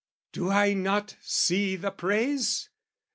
Do I not see the praise?